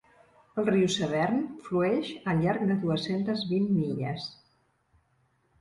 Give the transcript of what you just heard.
El riu Severn flueix al llarg de dues-centes vint milles.